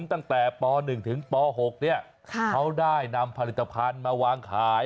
ตั้งแต่ป๑ถึงป๖เขาได้นำผลิตภัณฑ์มาวางขาย